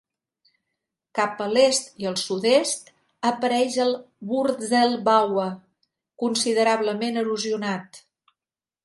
Cap a l'est i el sud-est apareix el Wurzelbauer, considerablement erosionat.